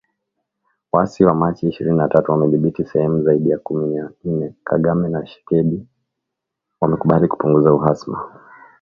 Waasi wa Machi ishirini na tatu wamedhibithi sehemu zaidi ya kumi na ine, Kagame na Tshisekedi wamekubali kupunguza uhasama